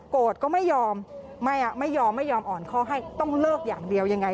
ก็ไม่ยอมไม่ยอมไม่ยอมอ่อนข้อให้ต้องเลิกอย่างเดียวยังไง